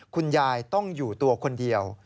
คุณยายต้องอยู่ตัวคนเดียว